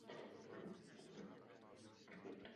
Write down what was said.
Potopena byla na konci druhé světové války.